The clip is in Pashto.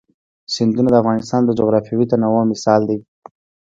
سیندونه د افغانستان د جغرافیوي تنوع مثال دی.